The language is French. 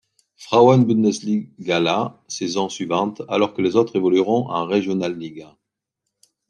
Frauen-Bundesligala saison suivante, alors que les autres évolueront en Regionalliga.